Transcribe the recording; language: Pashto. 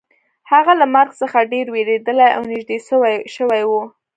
هغه له مرګ څخه ډیر ویریدلی او نږدې شوی و